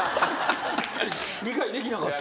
理解できなかった。